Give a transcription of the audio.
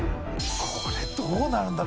これどうなるんだろ？